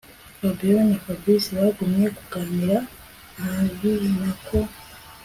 Fabiora na Fabric bagumye kuganira arinako